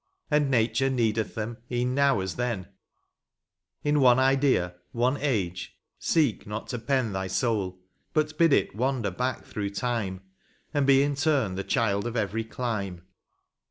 And Nature needeth them een now as then; In one idea, one age, seek not to pen Thy soul, but bid it wander back through time, And be in turn the child of every clime.